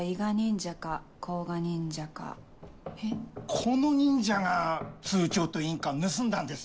この忍者が通帳と印鑑盗んだんです。